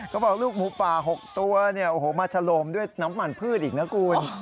เขาบอกลูกหมูปลา๖ตัวโอ้โฮมาชะลมด้วยน้ำมันพืชอีกนะกู